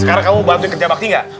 sekarang kamu bantu kerja bakti gak